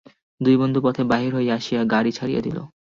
দুই বন্ধু পথে বাহির হইয়া আসিয়া গাড়ি ছাড়িয়া দিল।